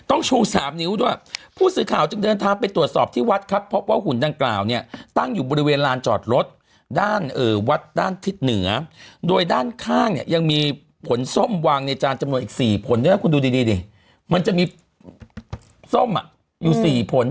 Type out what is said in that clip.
ชูสามนิ้วด้วยผู้สื่อข่าวจึงเดินทางไปตรวจสอบที่วัดครับพบว่าหุ่นดังกล่าวเนี่ยตั้งอยู่บริเวณลานจอดรถด้านวัดด้านทิศเหนือโดยด้านข้างเนี่ยยังมีผลส้มวางในจานจำนวนอีก๔ผลด้วยนะคุณดูดีดิมันจะมีส้มอ่ะอยู่สี่ผล